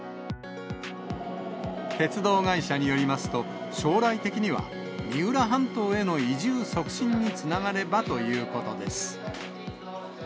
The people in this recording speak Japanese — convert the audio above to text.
鉄道会社によりますと、将来的には三浦半島への移住促進につながればということです。